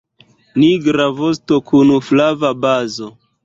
Nigra vosto kun flava bazo.